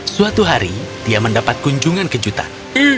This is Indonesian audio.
suatu hari dia mendapat kunjungan kejutan